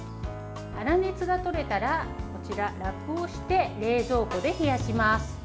粗熱がとれたら、ラップをして冷蔵庫で冷やします。